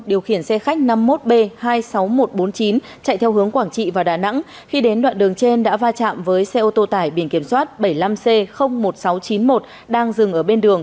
điều khiển xe khách năm mươi một b hai mươi sáu nghìn một trăm bốn mươi chín chạy theo hướng quảng trị và đà nẵng khi đến đoạn đường trên đã va chạm với xe ô tô tải biển kiểm soát bảy mươi năm c một nghìn sáu trăm chín mươi một đang dừng ở bên đường